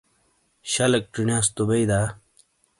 شلیک چینیاس تو بئی دا؟